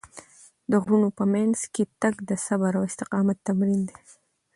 د غرونو په منځ کې تګ د صبر او استقامت تمرین دی.